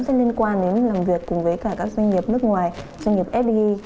sẽ liên quan đến làm việc cùng với cả các doanh nghiệp nước ngoài doanh nghiệp fdi